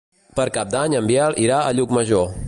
Per Cap d'Any en Biel irà a Llucmajor.